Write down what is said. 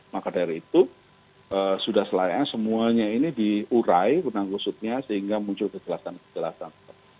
maka dari itu sudah selayaknya semuanya ini diurai benang kusutnya sehingga muncul kejelasan kejelasan